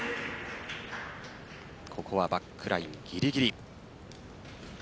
ここはバックラインぎりぎり。